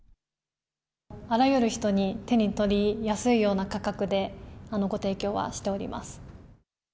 あらゆる人に手に取りやすいような価格でご提供はしております。